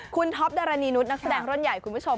คุณท็อปดารณีนุษย์นักแสดงรุ่นใหญ่คุณผู้ชม